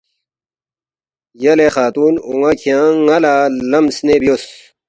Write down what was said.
یلے خاتُون اون٘ا کھیانگ ن٘ا لہ لم سنے بیوس